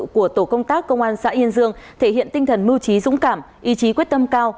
của tổ công tác công an xã yên dương thể hiện tinh thần mưu trí dũng cảm ý chí quyết tâm cao